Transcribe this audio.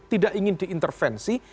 tidak ingin diintervensi